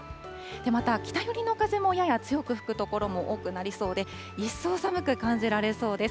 また、北寄りの風もやや強く吹く所も多くなりそうで、一層寒く感じられそうです。